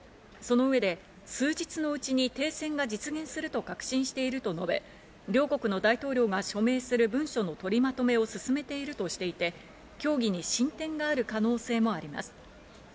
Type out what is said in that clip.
その上で数日のうちに停戦が実現すると確信していると述べ、両国の大統領が署名する文書の取りまとめを進めているとしていて、協議に進展がある可能性もあります。